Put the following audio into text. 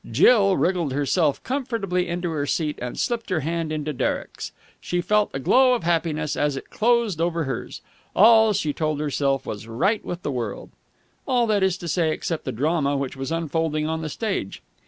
Jill wriggled herself comfortably into her seat, and slipped her hand into Derek's. She felt a glow of happiness as it closed over hers. All, she told herself, was right with the world. All, that is to say, except the drama which was unfolding on the stage.